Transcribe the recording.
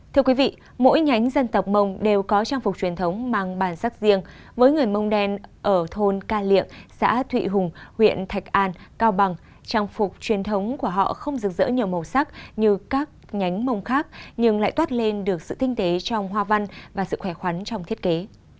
thưa quý vị mỗi nhánh dân tộc mông đều có trang phục truyền thống mang bản sắc riêng với người mông đen ở thôn ca liệng xã thụy hùng huyện thạch an cao bằng trang phục truyền thống của họ không rực rỡ nhiều màu sắc như các nhánh mông khác nhưng lại toát lên được sự tinh tế trong hoa văn và sự khỏe khoắn trong thiết kế